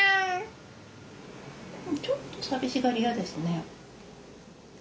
ちょっと寂しがり屋ですね。